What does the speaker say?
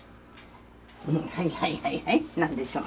はいはいはい何でしょう？